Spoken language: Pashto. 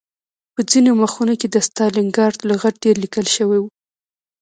په ځینو مخونو کې د ستالنګراډ لغت ډېر لیکل شوی و